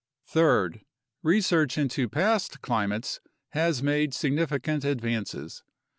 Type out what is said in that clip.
Third, research into past climates has made significant advances.